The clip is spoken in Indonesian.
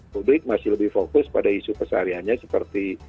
publik masih lebih fokus pada isu kesehariannya seperti